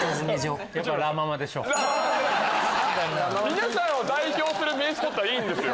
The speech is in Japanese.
皆さんを代表する名スポットはいいんですよ。